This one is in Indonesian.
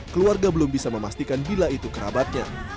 keluarga belum bisa memastikan bila itu kerabatnya